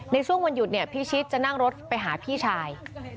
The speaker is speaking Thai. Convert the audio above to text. ในช่วงวันหยุดเนี่ยพิชิตจะนั่งรถไปหาพี่ชาย